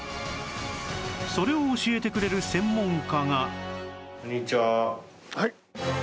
それを教えてくれる専門家が